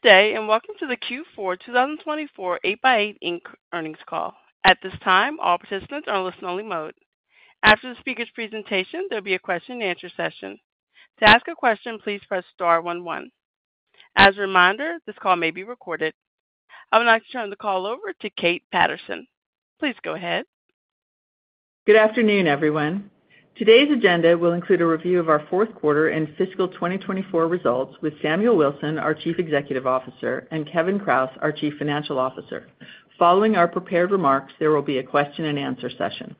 Good day, and welcome to the Q4 2024 8x8, Inc Earnings Call. At this time, all participants are in listen-only mode. After the speaker's presentation, there'll be a question and answer session. To ask a question, please press star one, one. As a reminder, this call may be recorded. I would like to turn the call over to Kate Patterson. Please go ahead. Good afternoon, everyone. Today's agenda will include a review of our fourth quarter and fiscal 2024 results with Samuel Wilson, our Chief Executive Officer, and Kevin Kraus, our Chief Financial Officer. Following our prepared remarks, there will be a question and answer session.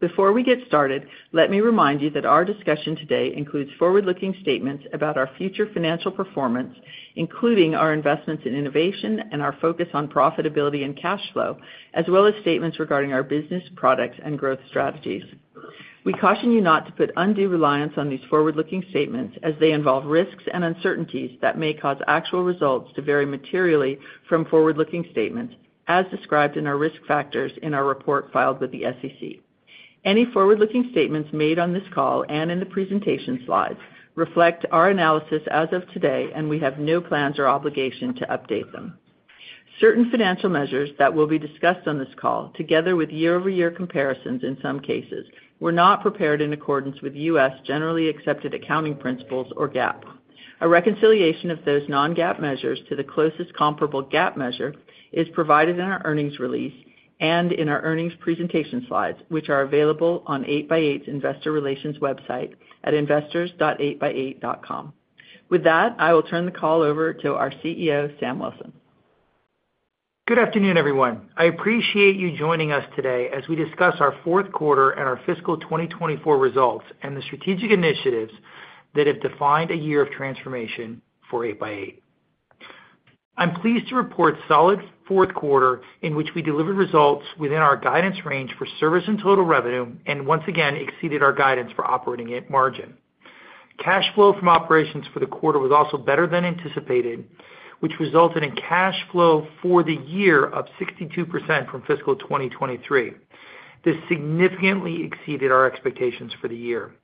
Before we get started, let me remind you that our discussion today includes forward-looking statements about our future financial performance, including our investments in innovation and our focus on profitability and cash flow, as well as statements regarding our business, products, and growth strategies. We caution you not to put undue reliance on these forward-looking statements as they involve risks and uncertainties that may cause actual results to vary materially from forward-looking statements, as described in our risk factors in our report filed with the SEC. Any forward-looking statements made on this call and in the presentation slides reflect our analysis as of today, and we have no plans or obligation to update them. Certain financial measures that will be discussed on this call, together with year-over-year comparisons in some cases, were not prepared in accordance with U.S. generally accepted accounting principles or GAAP. A reconciliation of those non-GAAP measures to the closest comparable GAAP measure is provided in our earnings release and in our earnings presentation slides, which are available on 8x8's Investor Relations website at investors.8x8.com. With that, I will turn the call over to our CEO, Sam Wilson. Good afternoon, everyone. I appreciate you joining us today as we discuss our fourth quarter and our fiscal 2024 results, and the strategic initiatives that have defined a year of transformation for 8x8. I'm pleased to report solid fourth quarter, in which we delivered results within our guidance range for service and total revenue, and once again, exceeded our guidance for operating margin. Cash flow from operations for the quarter was also better than anticipated, which resulted in cash flow for the year of 62% from fiscal 2023. This significantly exceeded our expectations for the year.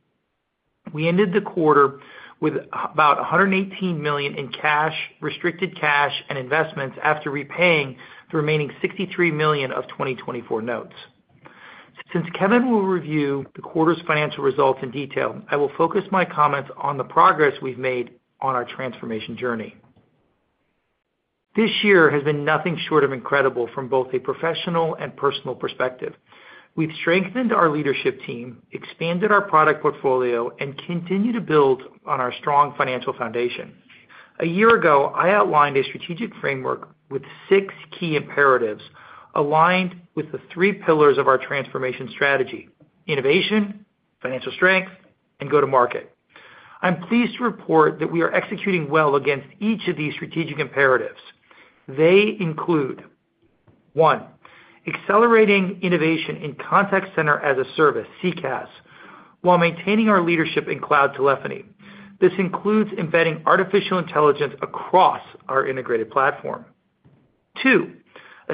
We ended the quarter with about $118 million in cash, restricted cash, and investments after repaying the remaining $63 million of 2024 notes. Since Kevin will review the quarter's financial results in detail, I will focus my comments on the progress we've made on our transformation journey. This year has been nothing short of incredible from both a professional and personal perspective. We've strengthened our leadership team, expanded our product portfolio, and continue to build on our strong financial foundation. A year ago, I outlined a strategic framework with six key imperatives aligned with the three pillars of our transformation strategy: innovation, financial strength, and go-to-market. I'm pleased to report that we are executing well against each of these strategic imperatives. They include, one, accelerating innovation in contact center as a service, CCaaS, while maintaining our leadership in cloud telephony. This includes embedding artificial intelligence across our integrated platform. Two,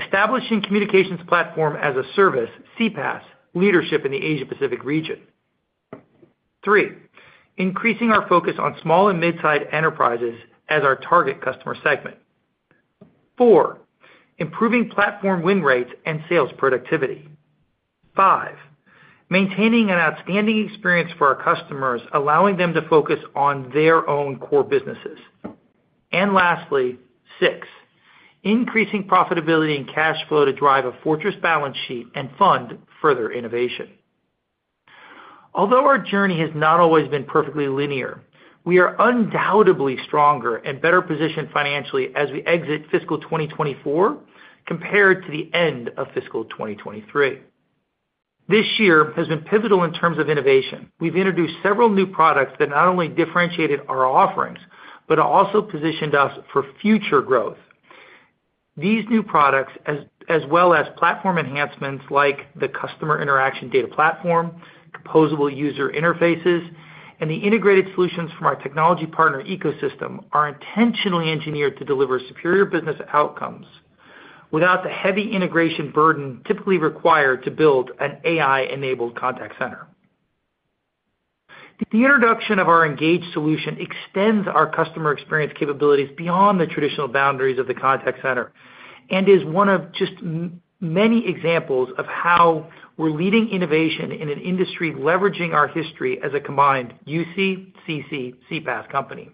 establishing communications platform as a service, CPaaS, leadership in the Asia Pacific region. Three, increasing our focus on small and mid-sized enterprises as our target customer segment. Four, improving platform win rates and sales productivity. Five, maintaining an outstanding experience for our customers, allowing them to focus on their own core businesses. And lastly, Six, increasing profitability and cash flow to drive a fortress balance sheet and fund further innovation. Although our journey has not always been perfectly linear, we are undoubtedly stronger and better positioned financially as we exit fiscal 2024 compared to the end of fiscal 2023. This year has been pivotal in terms of innovation. We've introduced several new products that not only differentiated our offerings, but also positioned us for future growth. These new products, as well as platform enhancements like the Customer Interaction Data Platform, composable user interfaces, and the integrated solutions from our Technology Partner Ecosystem, are intentionally engineered to deliver superior business outcomes without the heavy integration burden typically required to build an AI-enabled contact center. The introduction of our Engage solution extends our customer experience capabilities beyond the traditional boundaries of the contact center and is one of just many examples of how we're leading innovation in an industry, leveraging our history as a combined UC, CC, CPaaS company.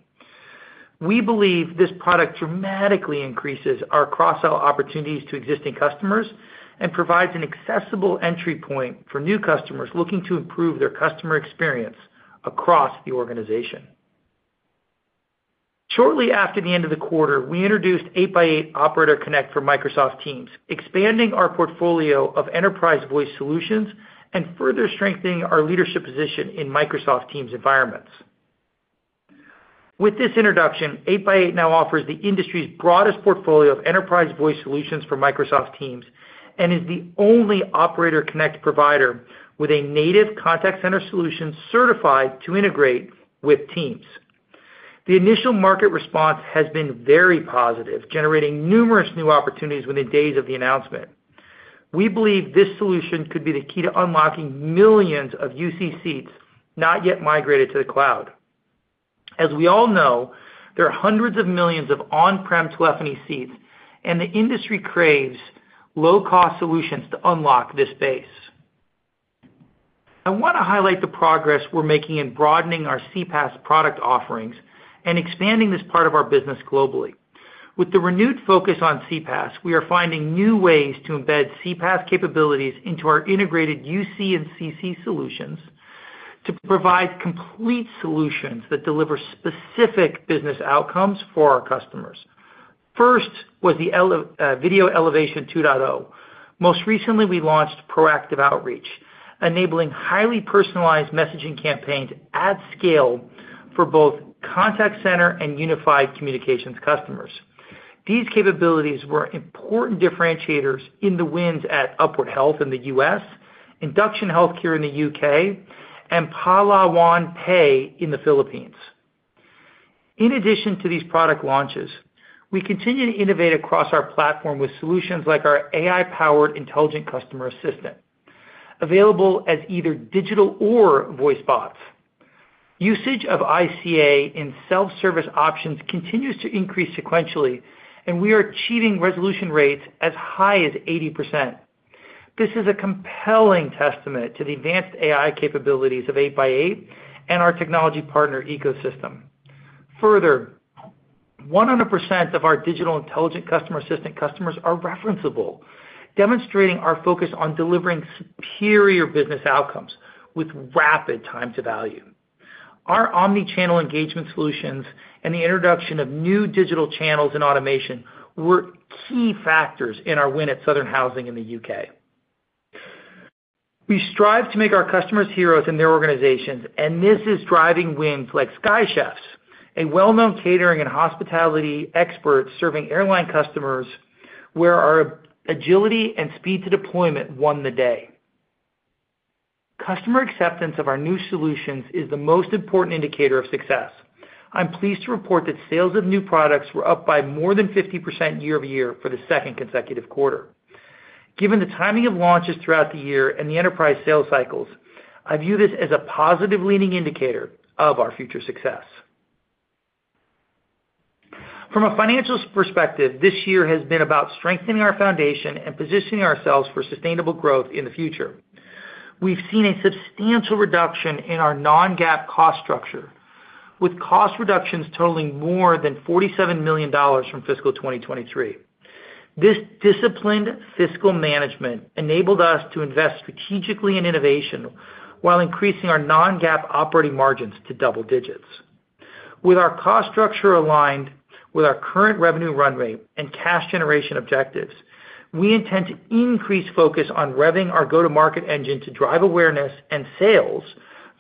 We believe this product dramatically increases our cross-sell opportunities to existing customers and provides an accessible entry point for new customers looking to improve their customer experience across the organization. Shortly after the end of the quarter, we introduced 8x8 Operator Connect for Microsoft Teams, expanding our portfolio of enterprise voice solutions and further strengthening our leadership position in Microsoft Teams environments. With this introduction, 8x8 now offers the industry's broadest portfolio of enterprise voice solutions for Microsoft Teams, and is the only Operator Connect provider with a native contact center solution certified to integrate with Teams. The initial market response has been very positive, generating numerous new opportunities within days of the announcement. We believe this solution could be the key to unlocking millions of UC seats not yet migrated to the cloud. As we all know, there are hundreds of millions of on-prem telephony seats, and the industry craves low-cost solutions to unlock this base. I want to highlight the progress we're making in broadening our CPaaS product offerings and expanding this part of our business globally. With the renewed focus on CPaaS, we are finding new ways to embed CPaaS capabilities into our integrated UC and CC solutions to provide complete solutions that deliver specific business outcomes for our customers. First was the Video Interaction 2.0. Most recently, we launched Proactive Outreach, enabling highly personalized messaging campaigns at scale for both contact center and unified communications customers. These capabilities were important differentiators in the wins at Upward Health in the U.S., Induction Healthcare in the U.K., and PalawanPay in the Philippines. In addition to these product launches, we continue to innovate across our platform with solutions like our AI-powered Intelligent Customer Assistant, available as either digital or voice bots. Usage of ICA in self-service options continues to increase sequentially, and we are achieving resolution rates as high as 80%. This is a compelling testament to the advanced AI capabilities of 8x8 and our technology partner ecosystem. Further, 100% of our digital Intelligent Customer Assistant customers are referenceable, demonstrating our focus on delivering superior business outcomes with rapid time to value. Our omni-channel engagement solutions and the introduction of new digital channels and automation were key factors in our win at Southern Housing in the U.K. We strive to make our customers heroes in their organizations, and this is driving wins like Sky Chefs, a well-known catering and hospitality expert serving airline customers, where our agility and speed to deployment won the day. Customer acceptance of our new solutions is the most important indicator of success. I'm pleased to report that sales of new products were up by more than 50% year-over-year for the second consecutive quarter. Given the timing of launches throughout the year and the enterprise sales cycles, I view this as a positive leading indicator of our future success. From a financial perspective, this year has been about strengthening our foundation and positioning ourselves for sustainable growth in the future. We've seen a substantial reduction in our non-GAAP cost structure, with cost reductions totaling more than $47 million from fiscal 2023. This disciplined fiscal management enabled us to invest strategically in innovation while increasing our non-GAAP operating margins to double digits. With our cost structure aligned with our current revenue run rate and cash generation objectives, we intend to increase focus on revving our go-to-market engine to drive awareness and sales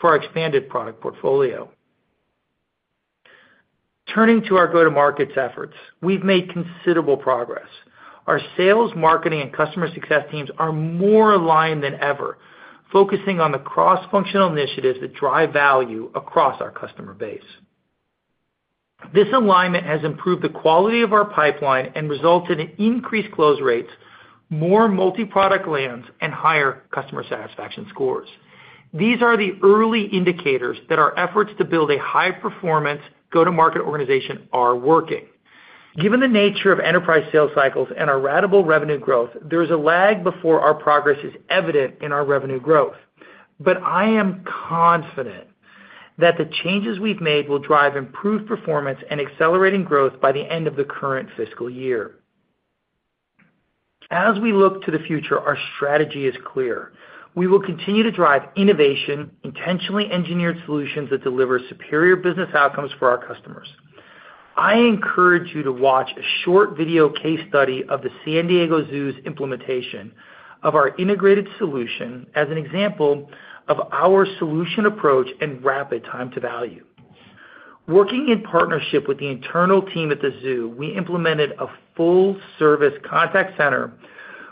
for our expanded product portfolio. Turning to our go-to-markets efforts, we've made considerable progress. Our sales, marketing, and customer success teams are more aligned than ever, focusing on the cross-functional initiatives that drive value across our customer base. This alignment has improved the quality of our pipeline and resulted in increased close rates, more multi-product lands, and higher customer satisfaction scores. These are the early indicators that our efforts to build a high-performance go-to-market organization are working. Given the nature of enterprise sales cycles and our ratable revenue growth, there's a lag before our progress is evident in our revenue growth. But I am confident that the changes we've made will drive improved performance and accelerating growth by the end of the current fiscal year. As we look to the future, our strategy is clear. We will continue to drive innovation, intentionally engineered solutions that deliver superior business outcomes for our customers. I encourage you to watch a short video case study of the San Diego Zoo's implementation of our integrated solution as an example of our solution approach and rapid time to value. Working in partnership with the internal team at the zoo, we implemented a full-service contact center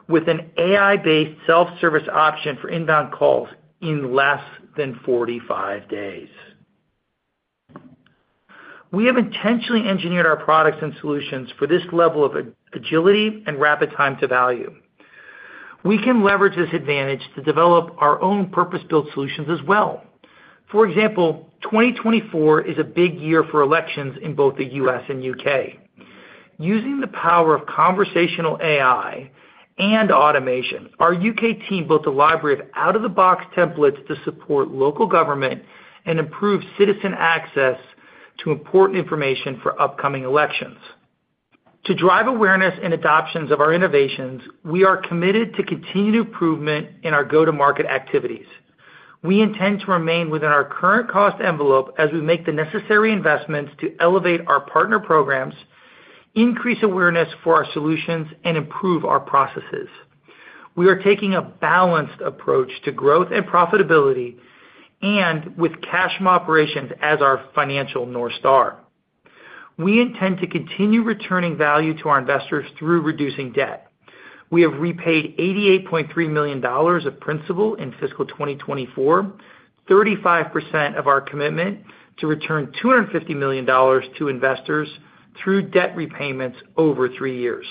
with an AI-based self-service option for inbound calls in less than 45 days. We have intentionally engineered our products and solutions for this level of agility and rapid time to value. We can leverage this advantage to develop our own purpose-built solutions as well. For example, 2024 is a big year for elections in both the U.S. and U.K. Using the power of conversational AI and automation, our U.K. team built a library of out-of-the-box templates to support local government and improve citizen access to important information for upcoming elections. To drive awareness and adoption of our innovations, we are committed to continued improvement in our go-to-market activities. We intend to remain within our current cost envelope as we make the necessary investments to elevate our partner programs, increase awareness for our solutions, and improve our processes. We are taking a balanced approach to growth and profitability, and with cash from operations as our financial North Star. We intend to continue returning value to our investors through reducing debt. We have repaid $88.3 million of principal in fiscal 2024, 35% of our commitment to return $250 million to investors through debt repayments over three years.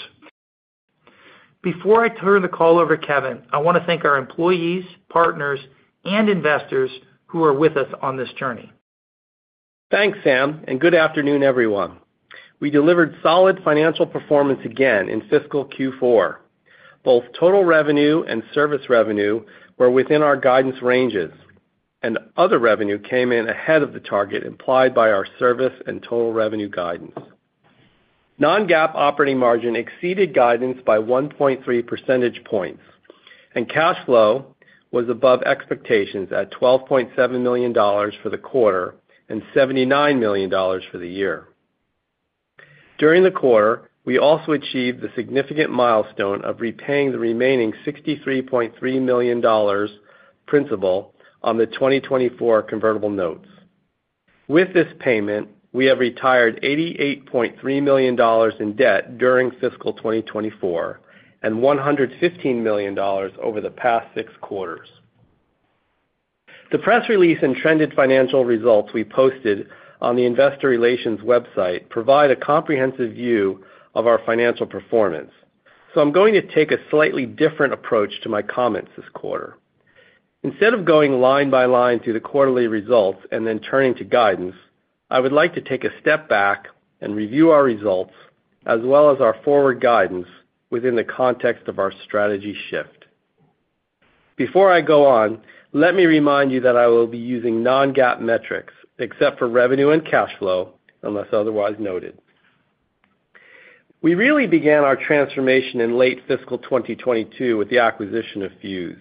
Before I turn the call over to Kevin, I want to thank our employees, partners, and investors who are with us on this journey. Thanks, Sam, and good afternoon, everyone. We delivered solid financial performance again in fiscal Q4. Both total revenue and service revenue were within our guidance ranges, and other revenue came in ahead of the target implied by our service and total revenue guidance. Non-GAAP operating margin exceeded guidance by 1.3 percentage points, and cash flow was above expectations at $12.7 million for the quarter and $79 million for the year. During the quarter, we also achieved the significant milestone of repaying the remaining $63.3 million principal on the 2024 convertible notes. With this payment, we have retired $88.3 million in debt during fiscal 2024, and $115 million over the past six quarters. The press release and trended financial results we posted on the investor relations website provide a comprehensive view of our financial performance. So I'm going to take a slightly different approach to my comments this quarter. Instead of going line by line through the quarterly results and then turning to guidance, I would like to take a step back and review our results, as well as our forward guidance within the context of our strategy shift. Before I go on, let me remind you that I will be using non-GAAP metrics, except for revenue and cash flow, unless otherwise noted. We really began our transformation in late fiscal 2022 with the acquisition of Fuze.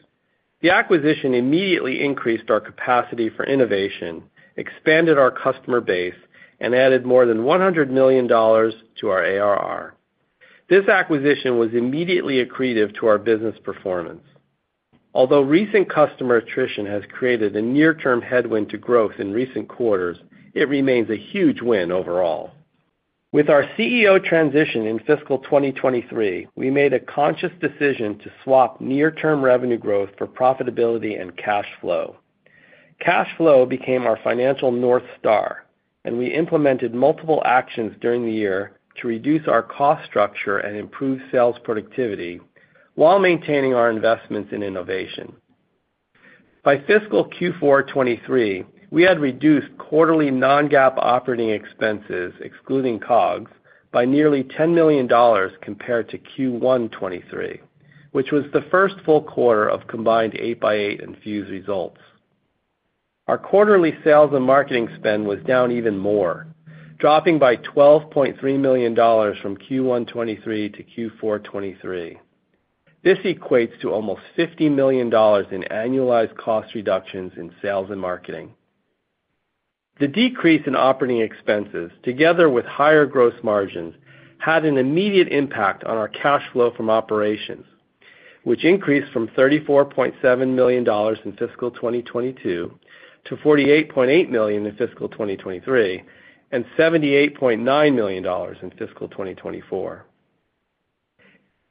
The acquisition immediately increased our capacity for innovation, expanded our customer base, and added more than $100 million to our ARR. This acquisition was immediately accretive to our business performance. Although recent customer attrition has created a near-term headwind to growth in recent quarters, it remains a huge win overall. With our CEO transition in fiscal 2023, we made a conscious decision to swap near-term revenue growth for profitability and cash flow. Cash flow became our financial North Star, and we implemented multiple actions during the year to reduce our cost structure and improve sales productivity while maintaining our investments in innovation. By fiscal Q4 2023, we had reduced quarterly non-GAAP operating expenses, excluding COGS, by nearly $10 million compared to Q1 2023, which was the first full quarter of combined 8x8 and Fuze results. Our quarterly sales and marketing spend was down even more, dropping by $12.3 million from Q1 2023 to Q4 2023. This equates to almost $50 million in annualized cost reductions in sales and marketing. The decrease in operating expenses, together with higher gross margins, had an immediate impact on our cash flow from operations, which increased from $34.7 million in fiscal 2022 to $48.8 million in fiscal 2023, and $78.9 million in fiscal 2024.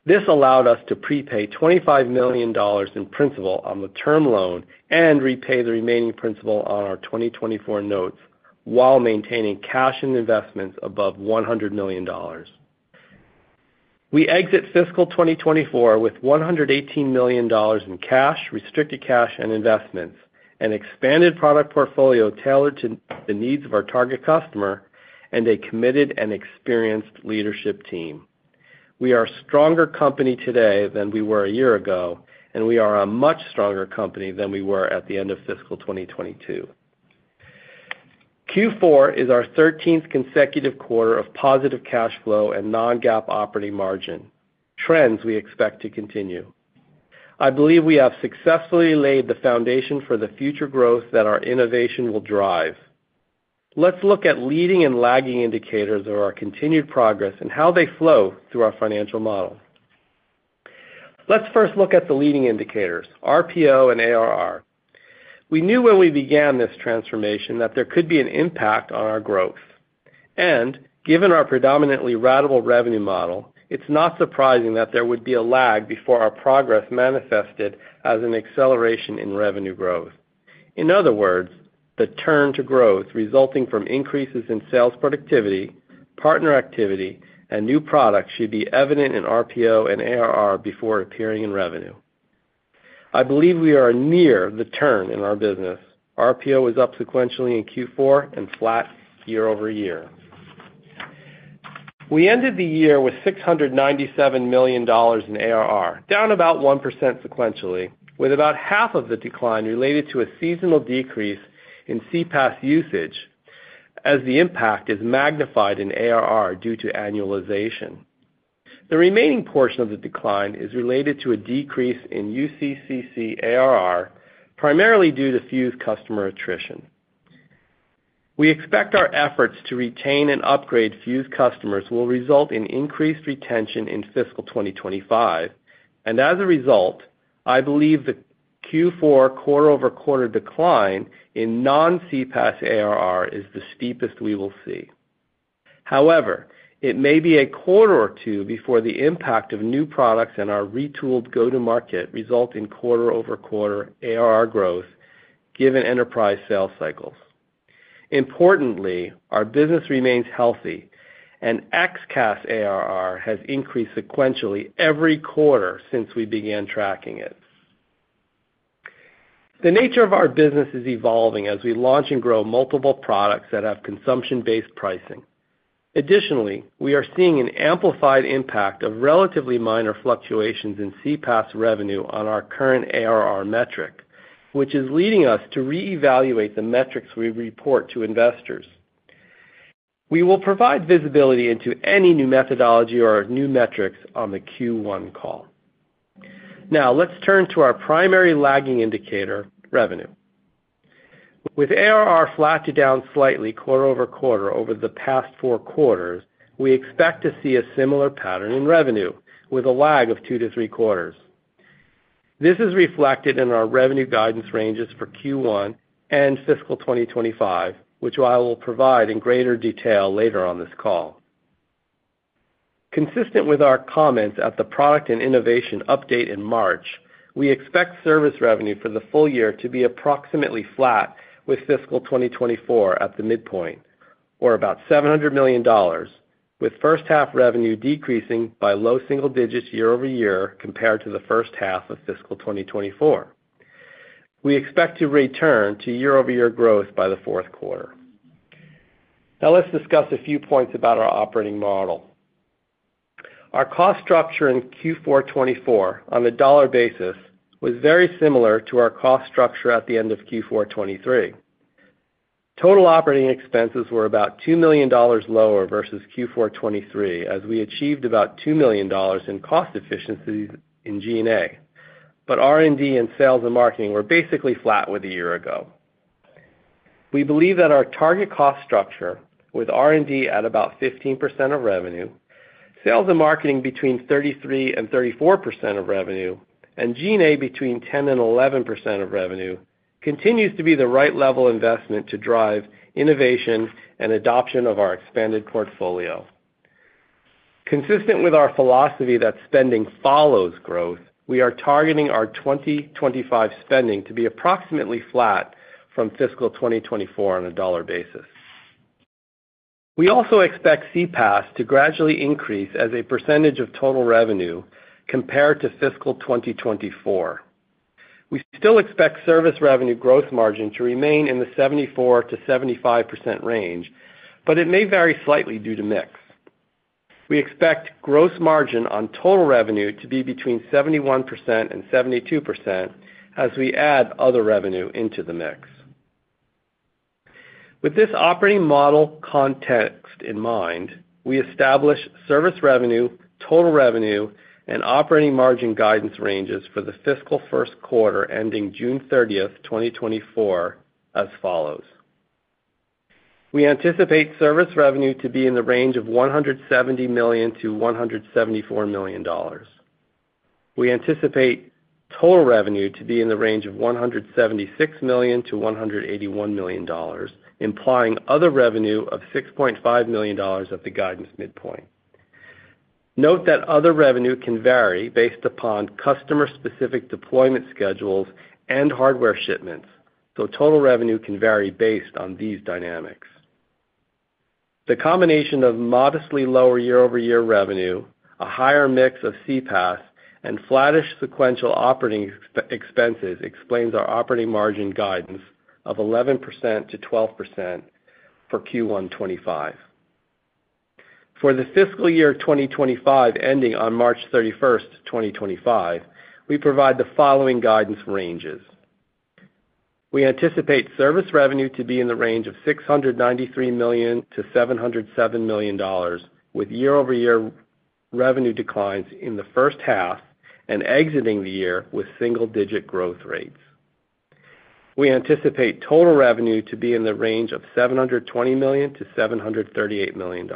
This allowed us to prepay $25 million in principal on the term loan and repay the remaining principal on our 2024 notes, while maintaining cash and investments above $100 million. We exit fiscal 2024 with $118 million in cash, restricted cash, and investments, an expanded product portfolio tailored to the needs of our target customer, and a committed and experienced leadership team. We are a stronger company today than we were a year ago, and we are a much stronger company than we were at the end of fiscal 2022. Q4 is our 13th consecutive quarter of positive cash flow and non-GAAP operating margin, trends we expect to continue. I believe we have successfully laid the foundation for the future growth that our innovation will drive. Let's look at leading and lagging indicators of our continued progress and how they flow through our financial model. Let's first look at the leading indicators, RPO and ARR. We knew when we began this transformation that there could be an impact on our growth. Given our predominantly ratable revenue model, it's not surprising that there would be a lag before our progress manifested as an acceleration in revenue growth. In other words, the turn to growth resulting from increases in sales productivity, partner activity, and new products should be evident in RPO and ARR before appearing in revenue. I believe we are near the turn in our business. RPO was up sequentially in Q4 and flat year-over-year. We ended the year with $697 million in ARR, down about 1% sequentially, with about half of the decline related to a seasonal decrease in CPaaS usage, as the impact is magnified in ARR due to annualization. The remaining portion of the decline is related to a decrease in UCaaS ARR, primarily due to Fuze customer attrition. We expect our efforts to retain and upgrade Fuze customers will result in increased retention in fiscal 2025, and as a result, I believe the Q4 quarter-over-quarter decline in non-CPaaS ARR is the steepest we will see. However, it may be a quarter or two before the impact of new products and our retooled go-to-market result in quarter-over-quarter ARR growth, given enterprise sales cycles. Importantly, our business remains healthy, and XCaaS ARR has increased sequentially every quarter since we began tracking it. The nature of our business is evolving as we launch and grow multiple products that have consumption-based pricing. Additionally, we are seeing an amplified impact of relatively minor fluctuations in CPaaS revenue on our current ARR metric, which is leading us to reevaluate the metrics we report to investors. We will provide visibility into any new methodology or new metrics on the Q1 call. Now, let's turn to our primary lagging indicator, revenue. With ARR flat to down slightly quarter-over-quarter over the past four quarters, we expect to see a similar pattern in revenue, with a lag of two to three quarters. This is reflected in our revenue guidance ranges for Q1 and fiscal 2025, which I will provide in greater detail later on this call. Consistent with our comments at the product and innovation update in March, we expect service revenue for the full year to be approximately flat, with fiscal 2024 at the midpoint, or about $700 million, with first half revenue decreasing by low single digits year-over-year compared to the first half of fiscal 2024. We expect to return to year-over-year growth by the fourth quarter. Now, let's discuss a few points about our operating model. Our cost structure in Q4 2024, on a dollar basis, was very similar to our cost structure at the end of Q4 2023. Total operating expenses were about $2 million lower versus Q4 2023, as we achieved about $2 million in cost efficiencies in G&A, but R&D and sales and marketing were basically flat with a year ago. We believe that our target cost structure, with R&D at about 15% of revenue, sales and marketing between 33%-34% of revenue, and G&A between 10%-11% of revenue, continues to be the right level investment to drive innovation and adoption of our expanded portfolio. Consistent with our philosophy that spending follows growth, we are targeting our 2025 spending to be approximately flat from fiscal 2024 on a dollar basis. We also expect CPaaS to gradually increase as a percentage of total revenue compared to fiscal 2024. We still expect service revenue gross margin to remain in the 74%-75% range, but it may vary slightly due to mix. We expect gross margin on total revenue to be between 71% and 72% as we add other revenue into the mix. With this operating model context in mind, we establish service revenue, total revenue, and operating margin guidance ranges for the fiscal first quarter, ending June 30, 2024, as follows. We anticipate service revenue to be in the range of $170 million-$174 million. We anticipate total revenue to be in the range of $176 million-$181 million, implying other revenue of $6.5 million at the guidance midpoint. Note that other revenue can vary based upon customer-specific deployment schedules and hardware shipments, so total revenue can vary based on these dynamics. The combination of modestly lower year-over-year revenue, a higher mix of CPaaS, and flattish sequential operating expenses explains our operating margin guidance of 11%-12% for Q1 2025. For the fiscal year 2025, ending on March 31, 2025, we provide the following guidance ranges. We anticipate service revenue to be in the range of $693 million-$707 million, with year-over-year revenue declines in the first half and exiting the year with single-digit growth rates. We anticipate total revenue to be in the range of $720 million-$738 million.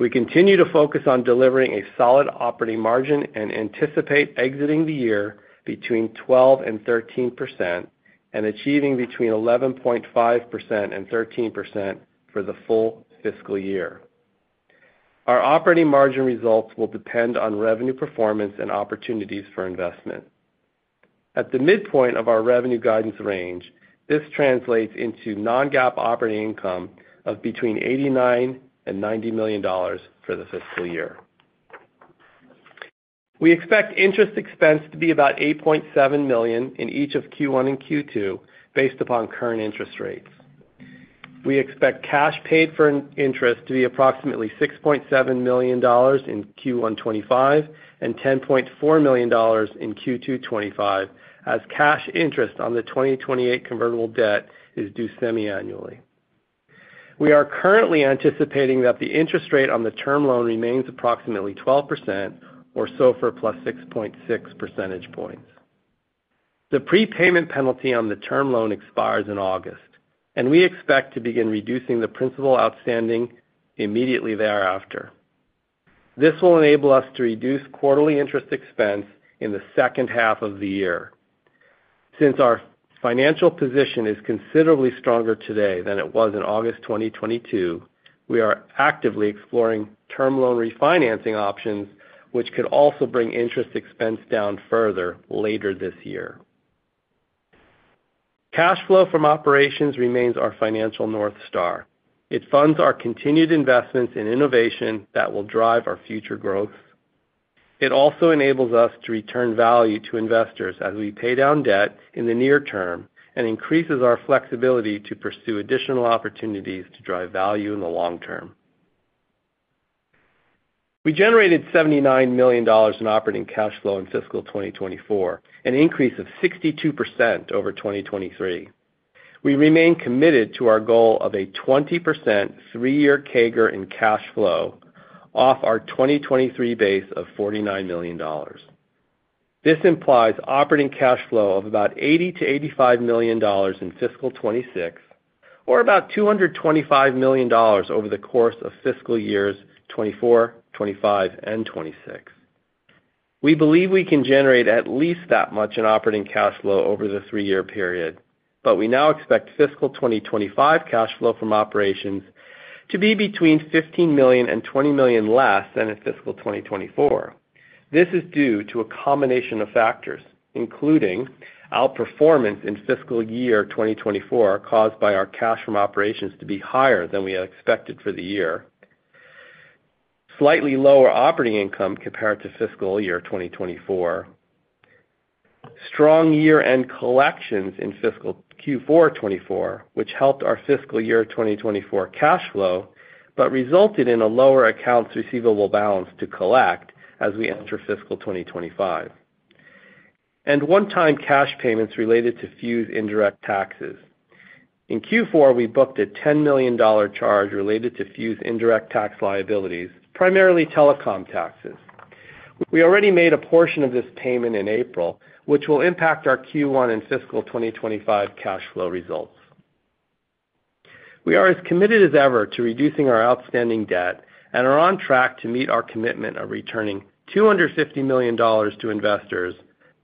We continue to focus on delivering a solid operating margin and anticipate exiting the year between 12%-13% and achieving between 11.5%-13% for the full fiscal year. Our operating margin results will depend on revenue performance and opportunities for investment. At the midpoint of our revenue guidance range, this translates into non-GAAP operating income of between $89 million-$90 million for the fiscal year. We expect interest expense to be about $8.7 million in each of Q1 and Q2, based upon current interest rates. We expect cash paid for interest to be approximately $6.7 million in Q1 2025 and $10.4 million in Q2 2025, as cash interest on the 2028 convertible debt is due semiannually. We are currently anticipating that the interest rate on the term loan remains approximately 12% or so, SOFR plus 6.6 percentage points. The prepayment penalty on the term loan expires in August, and we expect to begin reducing the principal outstanding immediately thereafter. This will enable us to reduce quarterly interest expense in the second half of the year. Since our financial position is considerably stronger today than it was in August 2022, we are actively exploring term loan refinancing options, which could also bring interest expense down further later this year. Cash flow from operations remains our financial North Star. It funds our continued investments in innovation that will drive our future growth. It also enables us to return value to investors as we pay down debt in the near term, and increases our flexibility to pursue additional opportunities to drive value in the long term. We generated $79 million in operating cash flow in fiscal 2024, an increase of 62% over 2023. We remain committed to our goal of a 20% three-year CAGR in cash flow off our 2023 base of $49 million. This implies operating cash flow of about $80 million-$85 million in fiscal 2026, or about $225 million over the course of fiscal years 2024, 2025, and 2026. We believe we can generate at least that much in operating cash flow over the three-year period, but we now expect fiscal 2025 cash flow from operations to be between $15 million and $20 million less than in fiscal 2024. This is due to a combination of factors, including outperformance in fiscal year 2024, caused by our cash from operations to be higher than we had expected for the year. Slightly lower operating income compared to fiscal year 2024. Strong year-end collections in fiscal Q4 2024, which helped our fiscal year 2024 cash flow, but resulted in a lower accounts receivable balance to collect as we enter fiscal 2025. And one-time cash payments related to Fuze indirect taxes. In Q4, we booked a $10 million charge related to Fuze indirect tax liabilities, primarily telecom taxes. We already made a portion of this payment in April, which will impact our Q1 and fiscal 2025 cash flow results. We are as committed as ever to reducing our outstanding debt and are on track to meet our commitment of returning $250 million to investors,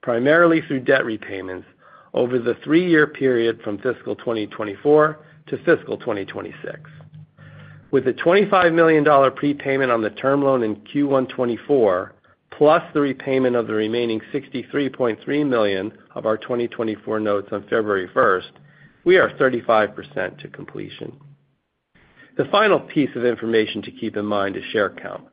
primarily through debt repayments, over the three-year period from fiscal 2024 to fiscal 2026. With a $25 million prepayment on the term loan in Q1 2024, plus the repayment of the remaining $63.3 million of our 2024 notes on February 1st, we are 35% to completion. The final piece of information to keep in mind is share count.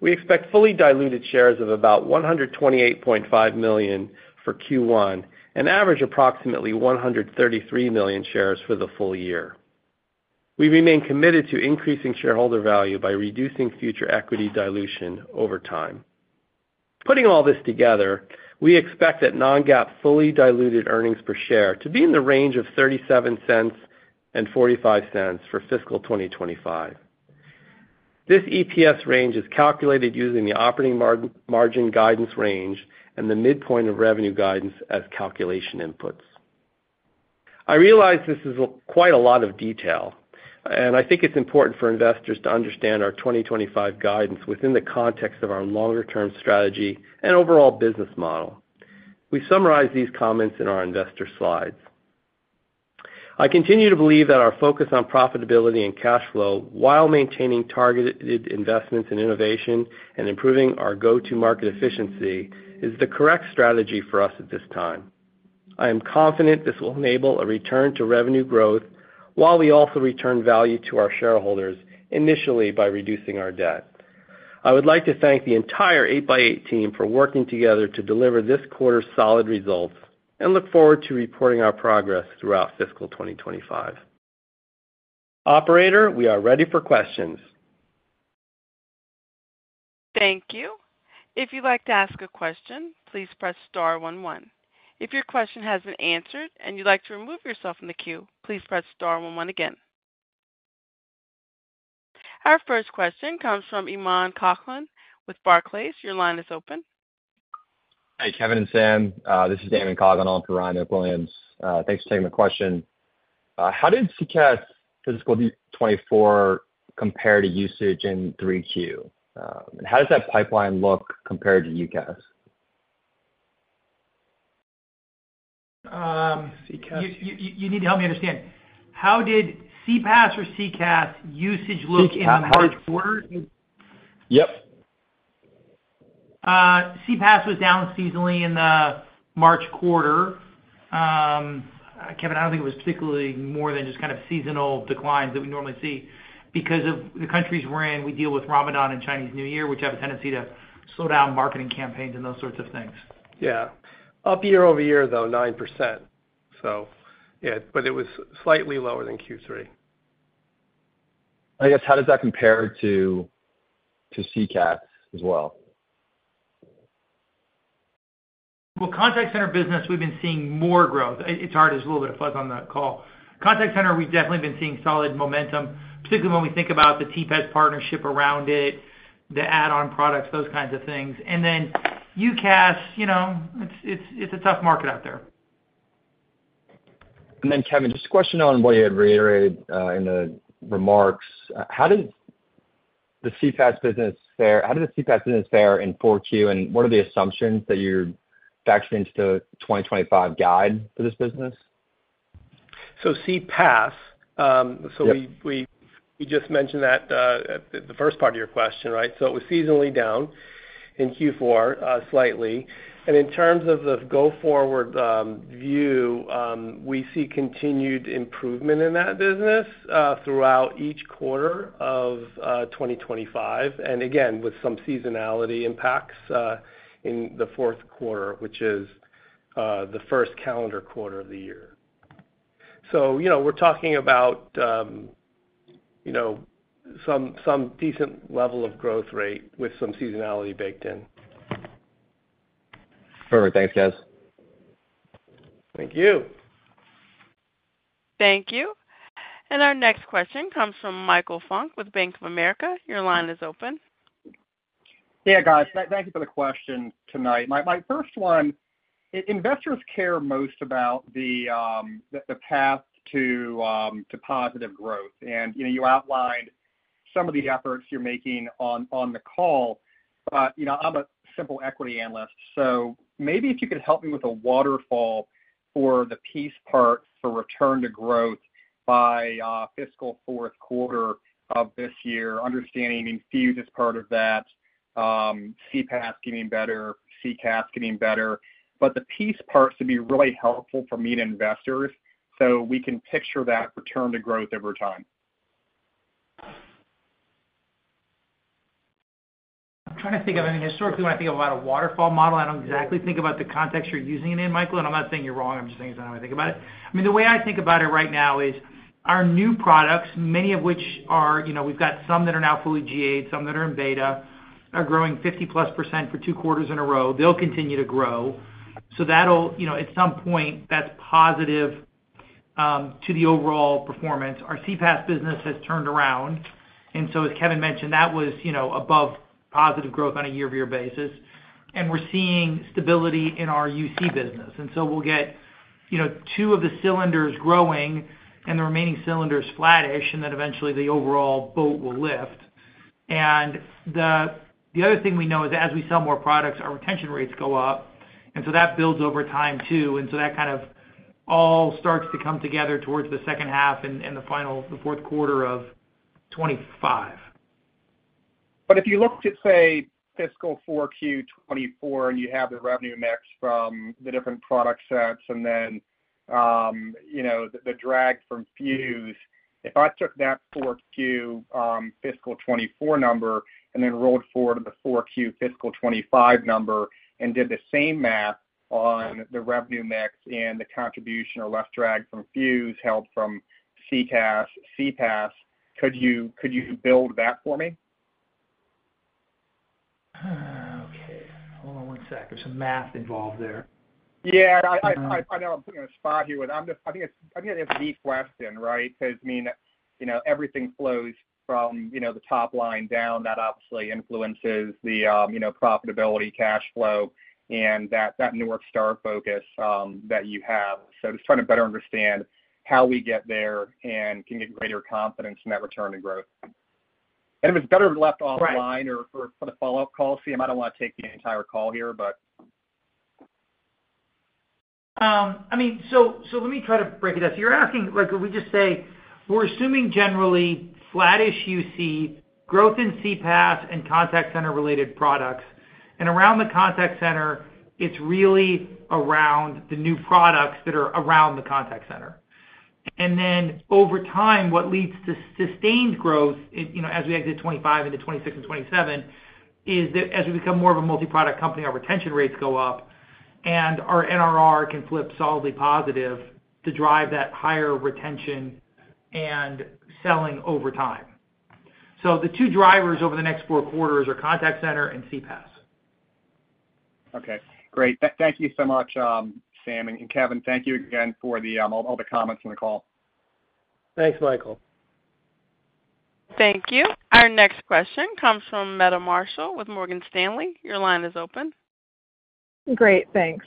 We expect fully diluted shares of about 128.5 million for Q1, and average approximately 133 million shares for the full year. We remain committed to increasing shareholder value by reducing future equity dilution over time. Putting all this together, we expect that non-GAAP fully diluted earnings per share to be in the range of $0.37-$0.45 for fiscal 2025. This EPS range is calculated using the operating margin guidance range and the midpoint of revenue guidance as calculation inputs. I realize this is quite a lot of detail, and I think it's important for investors to understand our 2025 guidance within the context of our longer-term strategy and overall business model. We summarize these comments in our investor slides. I continue to believe that our focus on profitability and cash flow, while maintaining targeted investments in innovation and improving our go-to-market efficiency, is the correct strategy for us at this time. I am confident this will enable a return to revenue growth, while we also return value to our shareholders, initially by reducing our debt. I would like to thank the entire 8x8 team for working together to deliver this quarter's solid results, and look forward to reporting our progress throughout fiscal 2025. Operator, we are ready for questions. Thank you. If you'd like to ask a question, please press star one one. If your question has been answered and you'd like to remove yourself from the queue, please press star one one again. Our first question comes from Eamon Coughlin with Barclays. Your line is open. Hi, Kevin and Sam. This is Eamon Coughlin with Barclays. Thanks for taking the question. How did CCaaS fiscal 2024 compare to usage in Q3? And how does that pipeline look compared to UCaaS? You need to help me understand. How did CPaaS or CCaaS usage look in the March quarter? Yep. CPaaS was down seasonally in the March quarter. Kevin, I don't think it was particularly more than just kind of seasonal declines that we normally see. Because of the countries we're in, we deal with Ramadan and Chinese New Year, which have a tendency to slow down marketing campaigns and those sorts of things. Yeah. Up year-over-year, though, 9%. So yeah, but it was slightly lower than Q3. I guess, how does that compare to CCaaS as well? Well, contact center business, we've been seeing more growth. It's hard, there's a little bit of fuzz on the call. Contact center, we've definitely been seeing solid momentum, particularly when we think about the TPES partnership around it, the add-on products, those kinds of things. And then UCaaS, you know, it's a tough market out there. And then, Kevin, just a question on what you had reiterated in the remarks. How did the CPaaS business fare, how did the CPaaS business fare in Q4, and what are the assumptions that you're factoring into the 2025 guide for this business? So CPaaS, so we, we just mentioned that at the first part of your question, right? So it was seasonally down in Q4, slightly. And in terms of the go forward view, we see continued improvement in that business throughout each quarter of 2025, and again, with some seasonality impacts in the fourth quarter, which is the first calendar quarter of the year. So, you know, we're talking about, you know, some decent level of growth rate with some seasonality baked in. Perfect. Thanks, guys. Thank you. Thank you. Our next question comes from Michael Funk with Bank of America. Your line is open. Yeah, guys, thank you for the question tonight. My first one, investors care most about the path to positive growth. And, you know, you outlined some of the efforts you're making on the call. But, you know, I'm a simple equity analyst, so maybe if you could help me with a waterfall for the piece parts for return to growth by fiscal fourth quarter of this year, understanding Fuze is part of that, CPaaS getting better, CCaaS getting better. But the piece parts to be really helpful for me and investors, so we can picture that return to growth over time. I'm trying to think of, I mean, historically, when I think about a waterfall model, I don't exactly think about the context you're using it in, Michael, and I'm not saying you're wrong. I'm just saying it's not how I think about it. I mean, the way I think about it right now is, our new products, many of which are, you know, we've got some that are now fully GA'd, some that are in beta, are growing 50%+ for two quarters in a row. They'll continue to grow. So that'll, you know, at some point, that's positive to the overall performance. Our CPaaS business has turned around, and so as Kevin mentioned, that was, you know, above positive growth on a year-over-year basis, and we're seeing stability in our UC business. And so we'll get, you know, two of the cylinders growing and the remaining cylinders flattish, and then eventually the overall boat will lift. And the other thing we know is that as we sell more products, our retention rates go up, and so that builds over time, too. And so that kind of all starts to come together towards the second half and the final fourth quarter of 2025. But if you look to, say, fiscal 4Q 2024, and you have the revenue mix from the different product sets, and then, you know, the drag from Fuze, if I took that 4Q fiscal 2024 number and then rolled forward to the 4Q fiscal 2025 number and did the same math on the revenue mix and the contribution or less drag from Fuze, help from CCaaS, CPaaS, could you build that for me? Okay, hold on one sec. There's some math involved there. Yeah, I know I'm putting you on the spot here, but I'm just, I think it's a deep question, right? Because, I mean, you know, everything flows from, you know, the top line down. That obviously influences the, you know, profitability, cash flow, and that North Star focus, that you have. So just trying to better understand how we get there and can get greater confidence in that return to growth. And if it's better left offline- Right. or for the follow-up call. See, I might not want to take the entire call here, but... I mean, so, so let me try to break it down. So you're asking, like, could we just say we're assuming generally flattish UC, growth in CPaaS and contact center-related products, and around the contact center, it's really around the new products that are around the contact center. And then over time, what leads to sustained growth, it, you know, as we exit 2025 into 2026 and 2027, is that as we become more of a multi-product company, our retention rates go up, and our NRR can flip solidly positive to drive that higher retention and selling over time. So the two drivers over the next four quarters are contact center and CPaaS. Okay, great. Thank you so much, Sam and Kevin, thank you again for all the comments on the call. Thanks, Michael. Thank you. Our next question comes from Meta Marshall with Morgan Stanley. Your line is open. Great, thanks.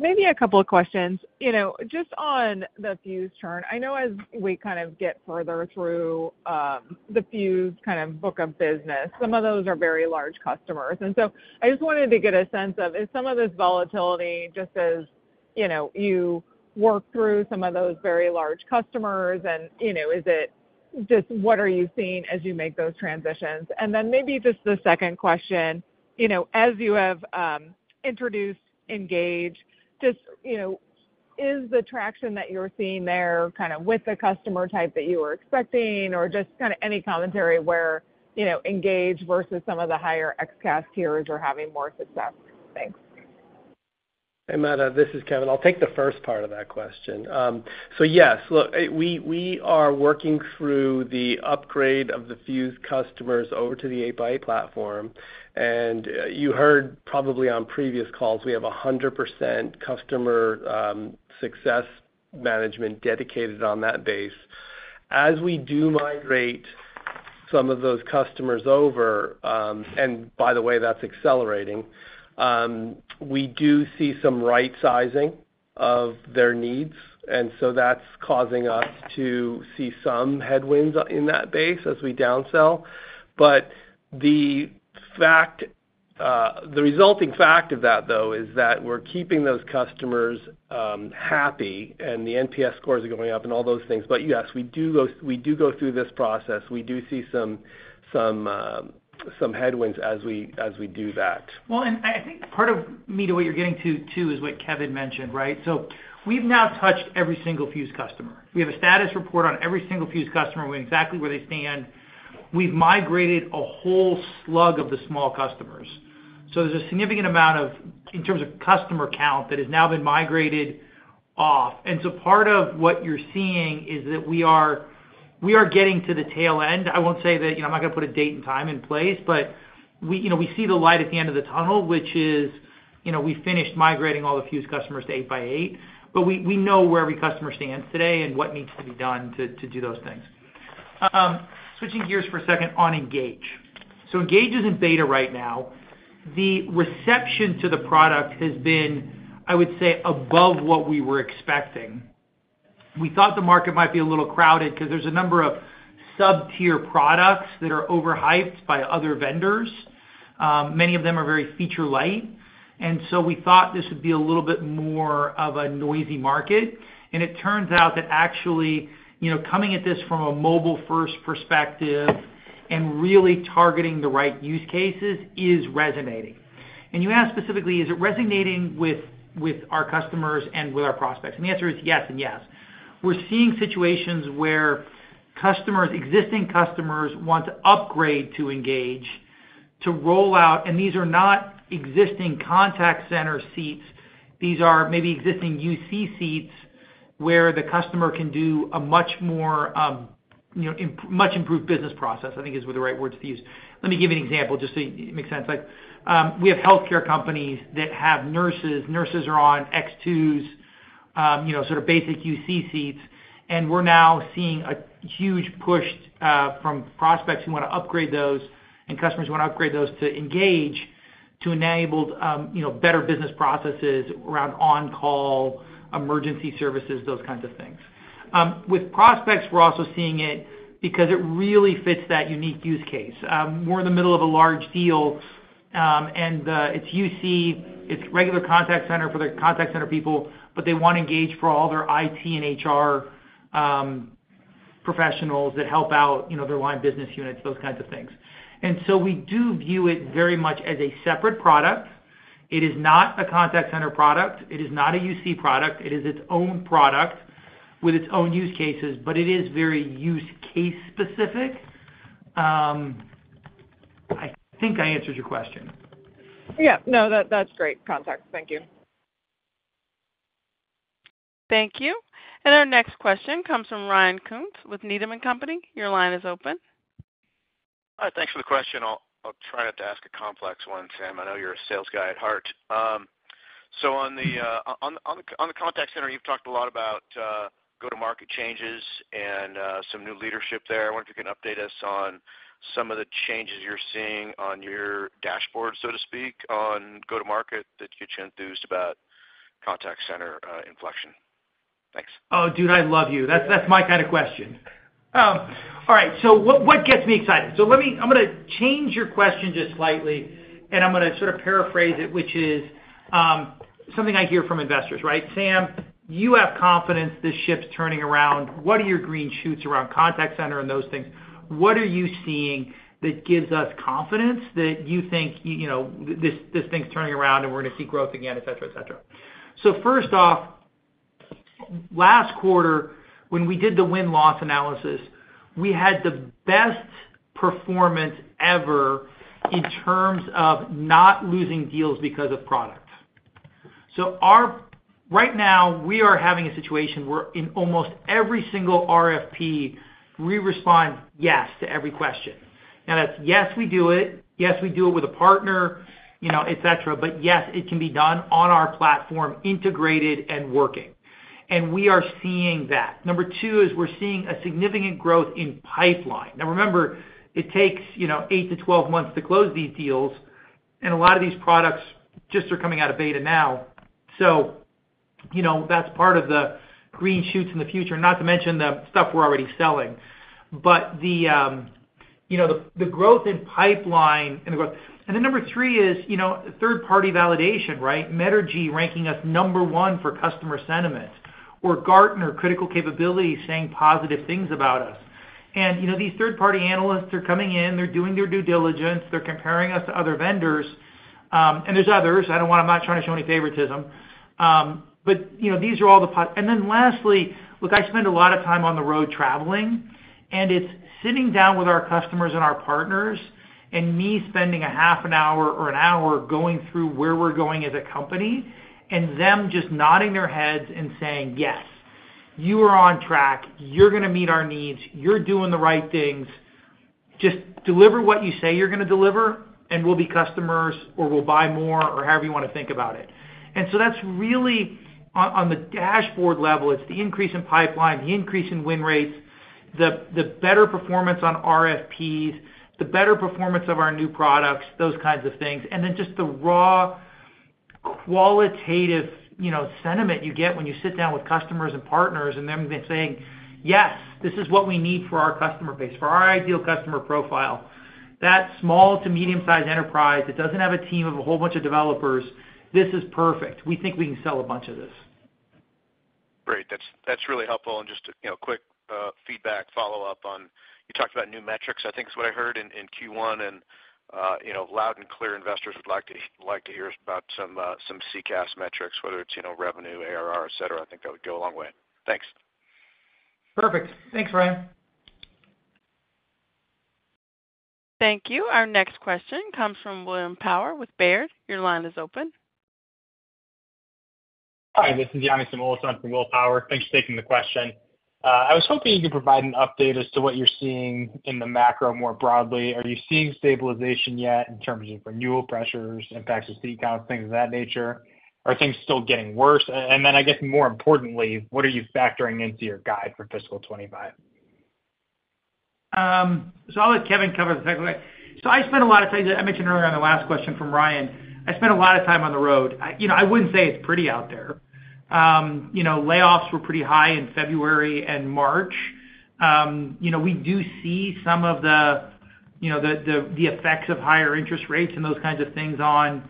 Maybe a couple of questions. You know, just on the Fuze turn, I know as we kind of get further through, the Fuze kind of book of business, some of those are very large customers. And so I just wanted to get a sense of, is some of this volatility just as, you know, you work through some of those very large customers and, you know, is it just what are you seeing as you make those transitions? And then maybe just the second question, you know, as you have introduced, Engage, just, you know, is the traction that you're seeing there kind of with the customer type that you were expecting, or just kind of any commentary where, you know, Engage versus some of the higher XCaaS tiers are having more success? Thanks. Hey, Meta, this is Kevin. I'll take the first part of that question. So yes, look, we are working through the upgrade of the Fuze customers over to the eight by eight platform, and you heard probably on previous calls, we have 100% customer success management dedicated on that base. As we do migrate some of those customers over, and by the way, that's accelerating, we do see some right sizing of their needs, and so that's causing us to see some headwinds in that base as we downsell. But the fact, the resulting fact of that, though, is that we're keeping those customers happy, and the NPS scores are going up and all those things. But yes, we do go through this process. We do see some headwinds as we do that. Well, and I, I think part of, Meta, what you're getting to, too, is what Kevin mentioned, right? So we've now touched every single Fuze customer. We have a status report on every single Fuze customer, knowing exactly where they stand. We've migrated a whole slug of the small customers. So there's a significant amount of, in terms of customer count, that has now been migrated off. And so part of what you're seeing is that we are, we are getting to the tail end. I won't say that. I'm not gonna put a date and time and place, but we, you know, we see the light at the end of the tunnel, which is, you know, we finished migrating all the Fuze customers to 8x8. But we, we know where every customer stands today and what needs to be done to, to do those things. Switching gears for a second on Engage. So Engage is in beta right now. The reception to the product has been, I would say, above what we were expecting. We thought the market might be a little crowded because there's a number of sub-tier products that are overhyped by other vendors. Many of them are very feature light, and so we thought this would be a little bit more of a noisy market, and it turns out that actually, you know, coming at this from a mobile-first perspective and really targeting the right use cases is resonating. And you asked specifically, is it resonating with our customers and with our prospects? And the answer is yes and yes. We're seeing situations where customers, existing customers, want to upgrade to Engage, to roll out, and these are not existing contact center seats. These are maybe existing UC seats, where the customer can do a much more, you know, much improved business process, I think is were the right words to use. Let me give you an example, just so it makes sense. Like, we have healthcare companies that have nurses. Nurses are on 8x8s, you know, sort of basic UC seats, and we're now seeing a huge push from prospects who wanna upgrade those and customers who wanna upgrade those to Engage, to enable, you know, better business processes around on-call, emergency services, those kinds of things. With prospects, we're also seeing it because it really fits that unique use case. We're in the middle of a large deal, and the It's UC, it's regular contact center for the contact center people, but they want to Engage for all their IT and HR professionals that help out, you know, their line of business units, those kinds of things. And so we do view it very much as a separate product. It is not a contact center product. It is not a UC product. It is its own product with its own use cases, but it is very use case specific. I think I answered your question. Yeah. No, that's great context. Thank you. Thank you. Our next question comes from Ryan Koontz with Needham & Company. Your line is open. Hi, thanks for the question. I'll try not to ask a complex one, Sam. I know you're a sales guy at heart. So on the contact center, you've talked a lot about go-to-market changes and some new leadership there. I wonder if you can update us on some of the changes you're seeing on your dashboard, so to speak, on go-to-market, that get you enthused about contact center inflection. Thanks. Oh, dude, I love you. That's, that's my kind of question. All right, so what, what gets me excited? So let me- I'm gonna change your question just slightly, and I'm gonna sort of paraphrase it, which is, something I hear from investors, right? "Sam, you have confidence this ship's turning around. What are your green shoots around contact center and those things? What are you seeing that gives us confidence that you think, you know, this, this thing's turning around, and we're gonna see growth again," et cetera, et cetera. So first off, last quarter, when we did the win-loss analysis, we had the best performance ever in terms of not losing deals because of product. So our-- right now, we are having a situation where in almost every single RFP, we respond, "Yes," to every question. And that's, "Yes, we do it. Yes, we do it with a partner," you know, et cetera, "but yes, it can be done on our platform, integrated and working." And we are seeing that. Number two, is we're seeing a significant growth in pipeline. Now, remember, it takes, you know, 8-12 months to close these deals, and a lot of these products just are coming out of beta now. So, you know, that's part of the green shoots in the future, not to mention the stuff we're already selling. But the, you know, the, the growth in pipeline and the growth- And then number three is, you know, third-party validation, right? Metrigy ranking us number one for customer sentiment or Gartner Critical Capabilities saying positive things about us. And, you know, these third-party analysts are coming in, they're doing their due diligence, they're comparing us to other vendors, and there's others. I don't wanna. I'm not trying to show any favoritism, but, you know, these are all the. Then lastly, look, I spend a lot of time on the road traveling, and it's sitting down with our customers and our partners, and me spending a half an hour or an hour going through where we're going as a company, and them just nodding their heads and saying: "Yes, you are on track. You're gonna meet our needs. You're doing the right things. Just deliver what you say you're gonna deliver, and we'll be customers, or we'll buy more, or however you wanna think about it." And so that's really... On the dashboard level, it's the increase in pipeline, the increase in win rates... the better performance on RFPs, the better performance of our new products, those kinds of things. And then just the raw qualitative, you know, sentiment you get when you sit down with customers and partners, and them saying, "Yes, this is what we need for our customer base, for our ideal customer profile." That small to medium-sized enterprise that doesn't have a team of a whole bunch of developers, this is perfect. We think we can sell a bunch of this. Great! That's, that's really helpful. And just, you know, quick, feedback follow-up on, you talked about new metrics, I think is what I heard, in, in Q1, and, you know, loud and clear, investors would like to, like to hear about some, some CCaaS metrics, whether it's, you know, revenue, ARR, et cetera. I think that would go a long way. Thanks. Perfect. Thanks, Ryan. Thank you. Our next question comes from William Power with Baird. Your line is open. Hi, this is Yanni Samoilis from William Power. Thanks for taking the question. I was hoping you could provide an update as to what you're seeing in the macro more broadly. Are you seeing stabilization yet in terms of renewal pressures, impacts to seat counts, things of that nature? Are things still getting worse? And then I guess, more importantly, what are you factoring into your guide for fiscal 2025? So I'll let Kevin cover the fact that. So I spent a lot of time, I mentioned earlier on the last question from Ryan, I spent a lot of time on the road. You know, I wouldn't say it's pretty out there. You know, layoffs were pretty high in February and March. You know, we do see some of the, you know, the effects of higher interest rates and those kinds of things on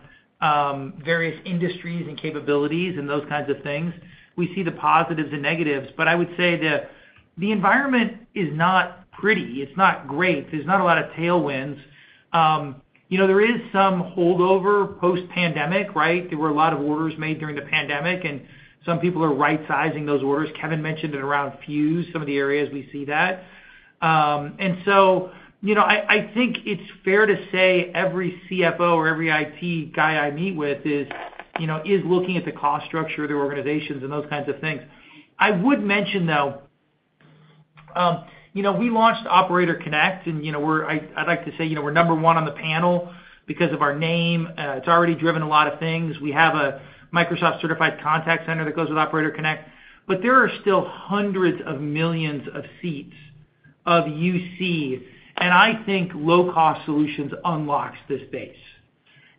various industries and capabilities and those kinds of things. We see the positives and negatives, but I would say that the environment is not pretty, it's not great. There's not a lot of tailwinds. You know, there is some holdover post-pandemic, right? There were a lot of orders made during the pandemic, and some people are rightsizing those orders. Kevin mentioned it around Fuze, some of the areas we see that. And so, you know, I, I think it's fair to say every CFO or every IT guy I meet with is, you know, is looking at the cost structure of their organizations and those kinds of things. I would mention, though, you know, we launched Operator Connect, and, you know, we're, I, I'd like to say, you know, we're number one on the panel because of our name. It's already driven a lot of things. We have a Microsoft-certified contact center that goes with Operator Connect, but there are still hundreds of millions of seats of UC, and I think low-cost solutions unlocks this base.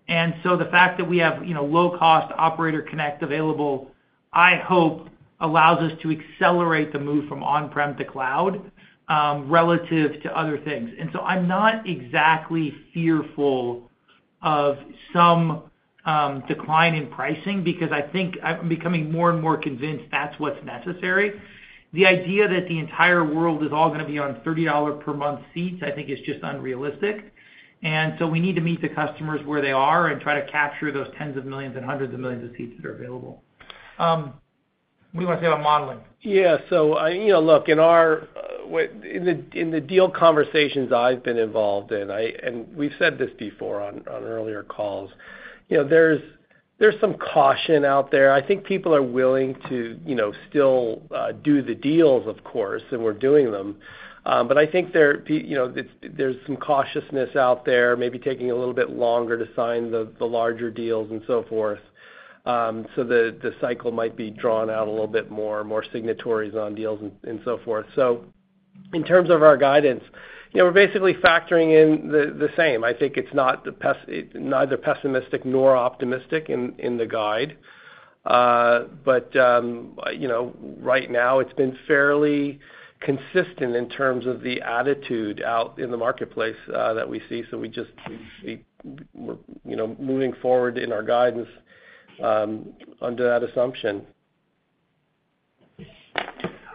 And so the fact that we have, you know, low-cost Operator Connect available, I hope, allows us to accelerate the move from on-prem to cloud, relative to other things. I'm not exactly fearful of some decline in pricing because I think... I'm becoming more and more convinced that's what's necessary. The idea that the entire world is all gonna be on $30 per month seats, I think is just unrealistic. And so we need to meet the customers where they are and try to capture those tens of millions and hundreds of millions of seats that are available. What do you want to say about modeling? Yeah. So, you know, look, in the deal conversations I've been involved in, and we've said this before on earlier calls, you know, there's some caution out there. I think people are willing to, you know, still do the deals, of course, and we're doing them. But I think there, you know, there's some cautiousness out there, maybe taking a little bit longer to sign the larger deals and so forth. So the cycle might be drawn out a little bit more, more signatories on deals and so forth. So in terms of our guidance, you know, we're basically factoring in the same. I think it's not neither pessimistic nor optimistic in the guide. But, you know, right now, it's been fairly consistent in terms of the attitude out in the marketplace that we see. So we just, we're, you know, moving forward in our guidance under that assumption.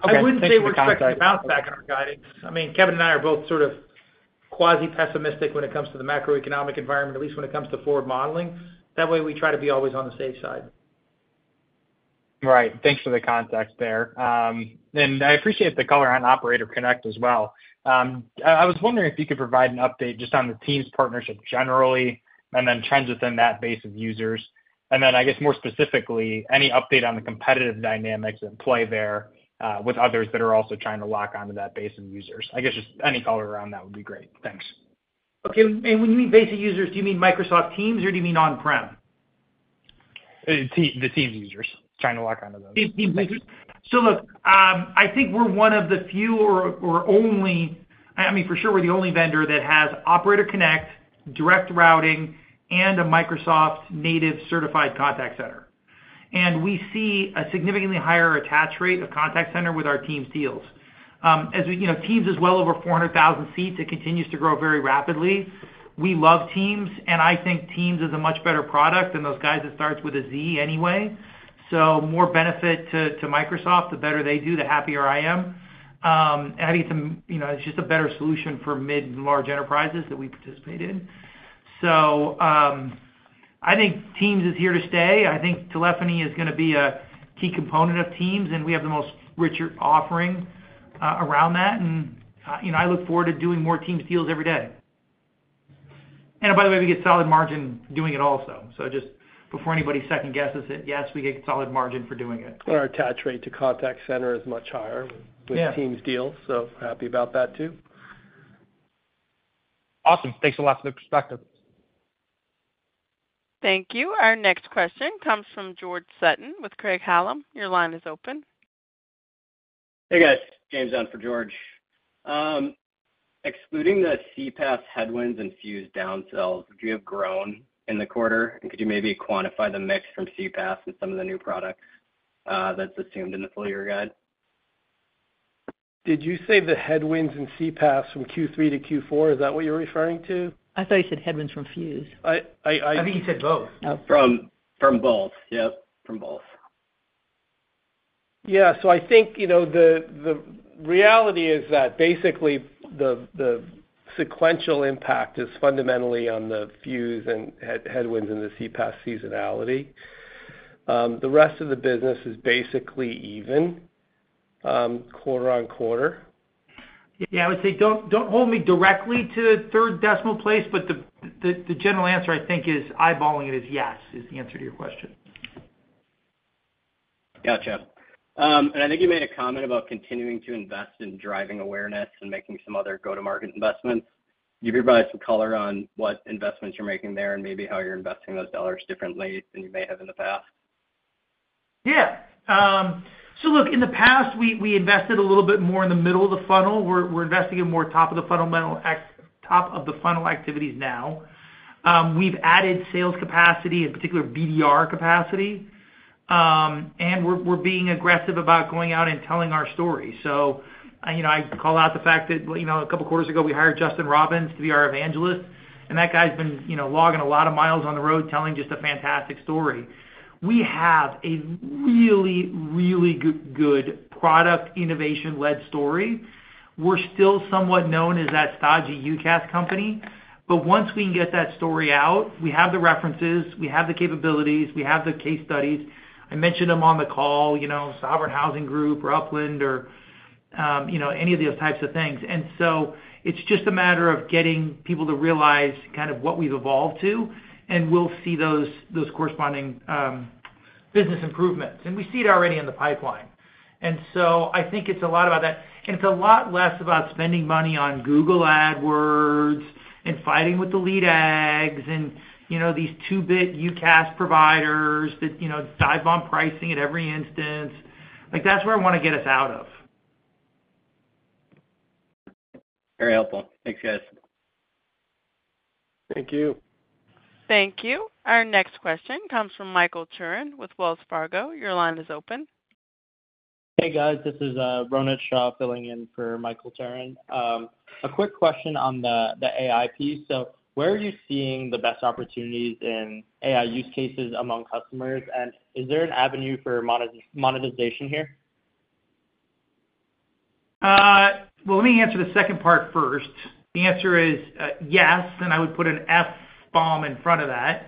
I wouldn't say we're expecting a bounce back in our guidance. I mean, Kevin and I are both sort of quasi-pessimistic when it comes to the macroeconomic environment, at least when it comes to forward modeling. That way, we try to be always on the safe side. Right. Thanks for the context there. I appreciate the color on Operator Connect as well. I was wondering if you could provide an update just on the Teams partnership generally, and then trends within that base of users. Then, I guess, more specifically, any update on the competitive dynamics at play there, with others that are also trying to lock onto that base of users. I guess, just any color around that would be great. Thanks. Okay. And when you mean base of users, do you mean Microsoft Teams, or do you mean on-prem? The Teams users, trying to lock onto them. The Teams users. Thank you. So look, I think we're one of the few or only—I mean, for sure, we're the only vendor that has Operator Connect, Direct Routing, and a Microsoft native certified contact center. And we see a significantly higher attach rate of contact center with our Teams deals. As we—you know, Teams is well over 400,000 seats. It continues to grow very rapidly. We love Teams, and I think Teams is a much better product than those guys that starts with a Z anyway. So more benefit to Microsoft. The better they do, the happier I am. And I think it's—you know, it's just a better solution for mid and large enterprises that we participate in. So I think Teams is here to stay. I think telephony is gonna be a key component of Teams, and we have the most richer offering around that. And you know, I look forward to doing more Teams deals every day. And by the way, we get solid margin doing it also. So just before anybody second-guesses it, yes, we get solid margin for doing it. Our attach rate to contact center is much higher- Yeah... with Teams deals, so happy about that, too. Awesome! Thanks a lot for the perspective. Thank you. Our next question comes from George Sutton with Craig-Hallum. Your line is open. Hey, guys. James on for George. Excluding the CPaaS headwinds and Fuze downsells, would you have grown in the quarter? And could you maybe quantify the mix from CPaaS and some of the new products, that's assumed in the full year guide? Did you say the headwinds and CPaaS from Q3 to Q4? Is that what you're referring to? I thought he said headwinds from Fuze. I, I, I- I think he said both. Oh. From both. Yep, from both. Yeah, so I think, you know, the reality is that basically, the sequential impact is fundamentally on the Fuze and headwinds in the CPaaS seasonality. The rest of the business is basically even, quarter on quarter. Yeah, I would say, don't hold me directly to the third decimal place, but the general answer, I think, is eyeballing it, yes, the answer to your question. Gotcha. And I think you made a comment about continuing to invest in driving awareness and making some other go-to-market investments. Can you provide some color on what investments you're making there and maybe how you're investing those dollars differently than you may have in the past? Yeah. So look, in the past, we invested a little bit more in the middle of the funnel. We're investing in more top of the funnel activities now. We've added sales capacity, in particular, BDR capacity, and we're being aggressive about going out and telling our story. So, you know, I call out the fact that, you know, a couple quarters ago, we hired Justin Robbins to be our evangelist, and that guy's been, you know, logging a lot of miles on the road, telling just a fantastic story. We have a really, really good, good product innovation-led story. We're still somewhat known as that stodgy UCaaS company, but once we can get that story out, we have the references, we have the capabilities, we have the case studies. I mentioned them on the call, you know, Southern Housing Group, or Upland or, you know, any of those types of things. And so it's just a matter of getting people to realize kind of what we've evolved to, and we'll see those, those corresponding, business improvements. And we see it already in the pipeline. And so I think it's a lot about that. And it's a lot less about spending money on Google AdWords and fighting with the lead aggs and, you know, these two-bit UCaaS providers that, you know, dive on pricing at every instance. Like, that's where I wanna get us out of. Very helpful. Thanks, guys. Thank you. Thank you. Our next question comes from Michael Turrin with Wells Fargo. Your line is open. Hey, guys, this is Ronak Shah filling in for Michael Turrin. A quick question on the AI piece. So where are you seeing the best opportunities in AI use cases among customers? And is there an avenue for monetization here? Well, let me answer the second part first. The answer is, yes, and I would put an F-bomb in front of that.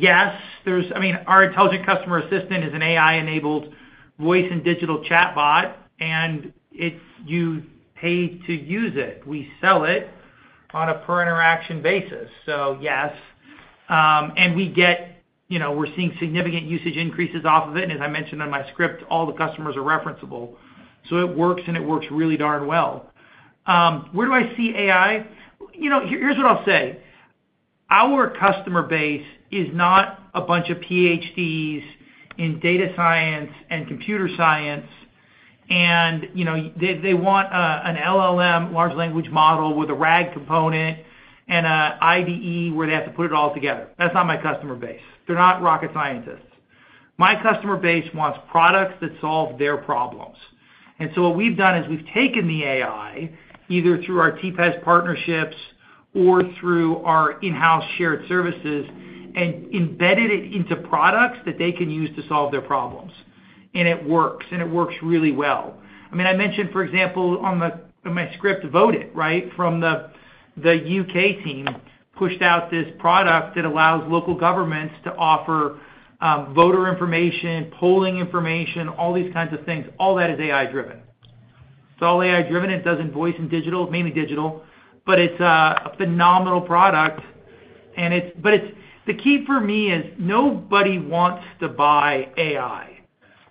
Yes, there's, I mean, our Intelligent Customer Assistant is an AI-enabled voice and digital chatbot, and it's. You pay to use it. We sell it on a per interaction basis. So yes, and we get, you know, we're seeing significant usage increases off of it. And as I mentioned in my script, all the customers are referenceable, so it works, and it works really darn well. Where do I see AI? You know, here, here's what I'll say: Our customer base is not a bunch of PhDs in data science and computer science, and, you know, they want an LLM, large language model, with a RAG component and an IDE, where they have to put it all together. That's not my customer base. They're not rocket scientists. My customer base wants products that solve their problems. And so what we've done is we've taken the AI, either through our TPES partnerships or through our in-house shared services, and embedded it into products that they can use to solve their problems. And it works, and it works really well. I mean, I mentioned, for example, on the, in my script, Votelt, right? From the, the UK team, pushed out this product that allows local governments to offer voter information, polling information, all these kinds of things. All that is AI-driven. It's all AI-driven. It does in voice and digital, mainly digital, but it's a phenomenal product, and it's, but it's, the key for me is nobody wants to buy AI.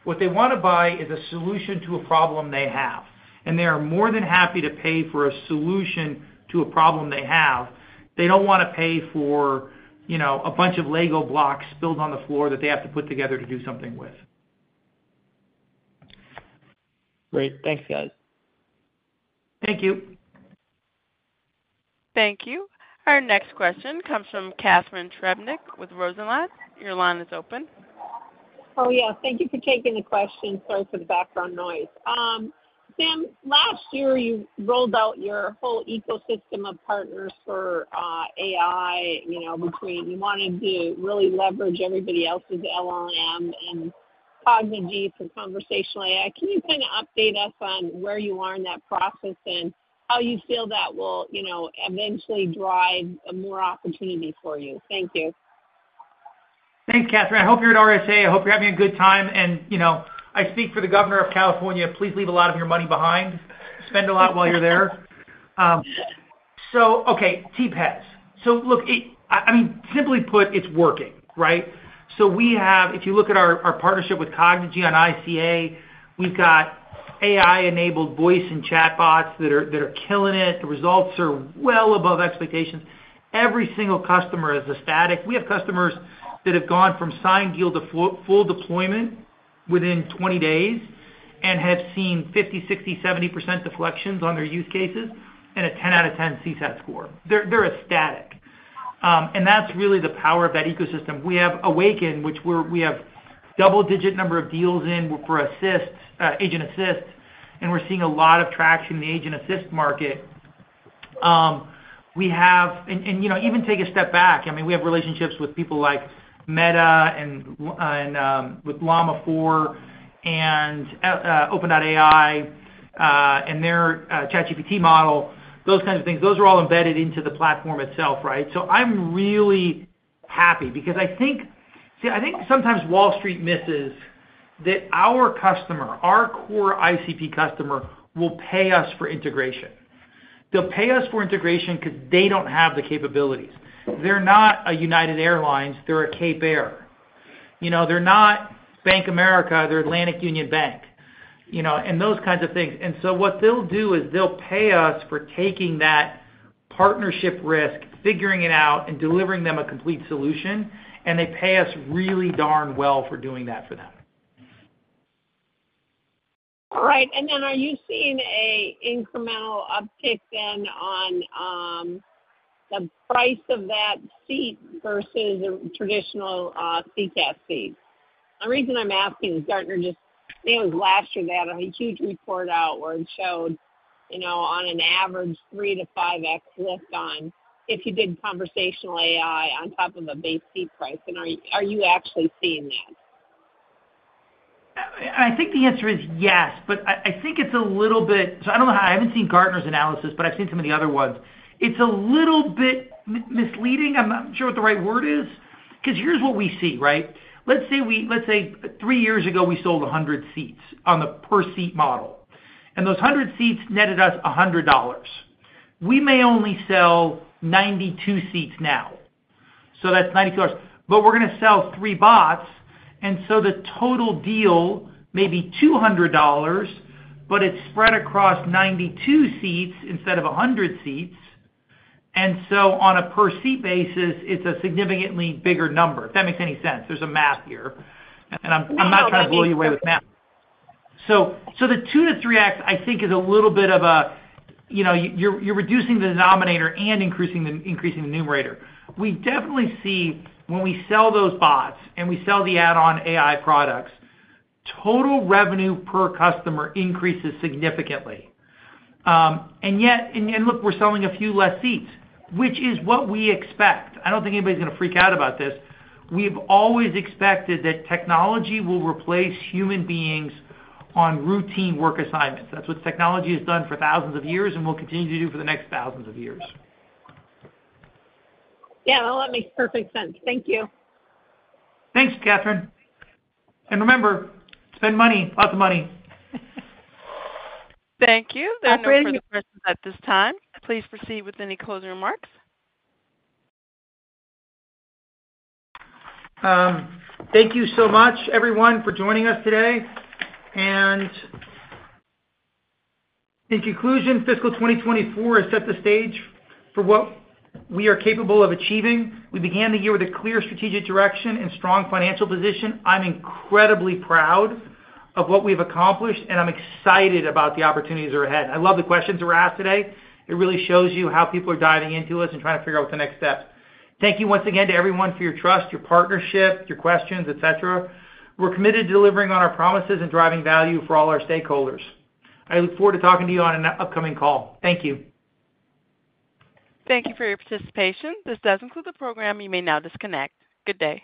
What they wanna buy is a solution to a problem they have, and they are more than happy to pay for a solution to a problem they have. They don't wanna pay for, you know, a bunch of Lego blocks spilled on the floor that they have to put together to do something with. Great. Thanks, guys. Thank you. Thank you. Our next question comes from Catharine Trebnick with Rosenblatt. Your line is open. Oh, yeah. Thank you for taking the question. Sorry for the background noise. Sam, last year, you rolled out your whole ecosystem of partners for AI, you know, between you wanted to really leverage everybody else's LLM and Cognigy for conversational AI. Can you kind of update us on where you are in that process and how you feel that will, you know, eventually drive more opportunity for you? Thank you. Thanks, Catharine. I hope you're at RSA. I hope you're having a good time, and, you know, I speak for the governor of California, please leave a lot of your money behind. Spend a lot while you're there. So okay, TPES. So look, it—I mean, simply put, it's working, right? So we have—if you look at our partnership with Cognigy on ICA, we've got AI-enabled voice and chatbots that are killing it. The results are well above expectations. Every single customer is ecstatic. We have customers that have gone from signed deal to full, full deployment within 20 days and have seen 50%, 60%, 70% deflections on their use cases and a 10 out of 10 CSAT score. They're ecstatic. And that's really the power of that ecosystem. We have Awaken, which we have double-digit number of deals in for agent assist, and we're seeing a lot of traction in the agent assist market. We have, and, you know, even take a step back, I mean, we have relationships with people like Meta and with Llama 4 and OpenAI and their ChatGPT model, those kinds of things. Those are all embedded into the platform itself, right? So I'm really happy because I think sometimes Wall Street misses that our customer, our core ICP customer, will pay us for integration. They'll pay us for integration because they don't have the capabilities. They're not a United Airlines, they're a Cape Air. You know, they're not Bank of America, they're Atlantic Union Bank, you know, and those kinds of things. And so what they'll do is they'll pay us for taking that partnership risk, figuring it out, and delivering them a complete solution, and they pay us really darn well for doing that for them. All right. And then are you seeing an incremental uptick then on the price of that seat versus a traditional CSAT seat? The reason I'm asking, Gartner just, I think it was last year, they had a huge report out where it showed, you know, on an average, 3-5x lift on if you did conversational AI on top of a base seat price. And are you, are you actually seeing that? I think the answer is yes, but I think it's a little bit, so I don't know how. I haven't seen Gartner's analysis, but I've seen some of the other ones. It's a little bit misleading. I'm not sure what the right word is, 'cause here's what we see, right? Let's say three years ago, we sold 100 seats on the per-seat model, and those 100 seats netted us $100. We may only sell 92 seats now, so that's $90. But we're gonna sell three bots, and so the total deal may be $200, but it's spread across 92 seats instead of 100 seats. And so on a per-seat basis, it's a significantly bigger number, if that makes any sense. There's a math here, and I'm- No, no-... I'm not trying to blow you away with math. So the 2-3x, I think, is a little bit of a, you know, you're reducing the denominator and increasing the numerator. We definitely see when we sell those bots and we sell the add-on AI products, total revenue per customer increases significantly. And yet, look, we're selling a few less seats, which is what we expect. I don't think anybody's gonna freak out about this. We've always expected that technology will replace human beings on routine work assignments. That's what technology has done for thousands of years and will continue to do for the next thousands of years. Yeah, well, that makes perfect sense. Thank you. Thanks, Catharine. And remember, spend money, lots of money. Thank you, Catharine. There are no further questions at this time. Please proceed with any closing remarks. Thank you so much, everyone, for joining us today. In conclusion, fiscal 2024 has set the stage for what we are capable of achieving. We began the year with a clear strategic direction and strong financial position. I'm incredibly proud of what we've accomplished, and I'm excited about the opportunities that are ahead. I love the questions that were asked today. It really shows you how people are diving into us and trying to figure out what the next steps. Thank you once again to everyone for your trust, your partnership, your questions, et cetera. We're committed to delivering on our promises and driving value for all our stakeholders. I look forward to talking to you on an upcoming call. Thank you. Thank you for your participation. This does conclude the program. You may now disconnect. Good day.